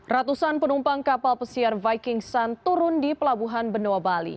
ratusan penumpang kapal pesiar viking sun turun di pelabuhan benoa bali